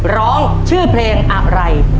ร้องชื่อเพลงอะไร